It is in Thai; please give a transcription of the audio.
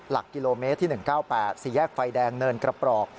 หลักกิโลเมตรที่๑๙๘๔แยกไฟแดงเนินกระปรอก